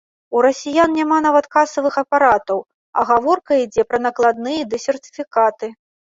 У расіян няма нават касавых апаратаў, а гаворка ідзе пра накладныя ды сертыфікаты!